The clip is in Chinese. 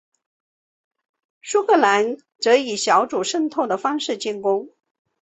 苏格兰则以小组渗透的方式进攻。